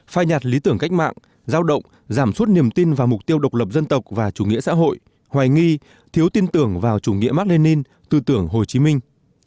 phai nhạt lý tưởng cách mạng giao động giảm suốt niềm tin vào mục tiêu độc lập dân tộc và chủ nghĩa xã hội hoài nghi thiếu tin tưởng vào chủ nghĩa mark lenin tư tưởng hồ chí minh